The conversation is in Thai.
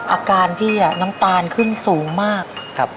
อาการพี่น้ำตาลขึ้นสูงมาก